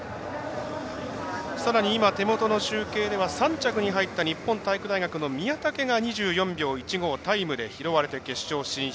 さらに、手元の集計では３着に入った日本体育大の宮武が２４秒１５拾われて決勝進出。